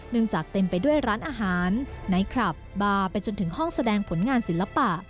จากเต็มไปด้วยร้านอาหารไนท์คลับบาร์ไปจนถึงห้องแสดงผลงานศิลปะ